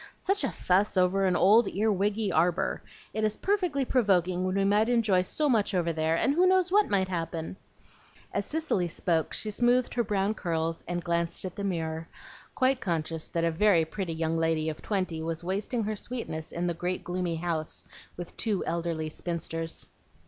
Such a fuss over an old ear wiggy arbor! It is perfectly provoking, when we might enjoy so much over there; and who knows what might happen!" As Cicely spoke, she smoothed her brown curls and glanced at the mirror, quite conscious that a very pretty young lady of twenty was wasting her sweetness in the great gloomy house, with two elderly spinsters.